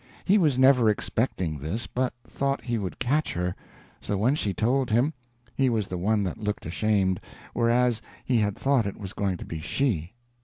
He was never expecting this but thought he would catch her; so when she told him, he was the one that looked ashamed, whereas he had thought it was going to be she.